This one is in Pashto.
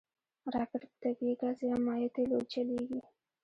راکټ په طبعي ګاز یا مایع تېلو چلیږي